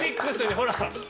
ほら！